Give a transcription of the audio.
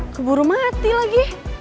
keburu mati lagi